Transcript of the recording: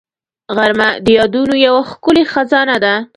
غرمه د یادونو یو ښکلې خزانه ده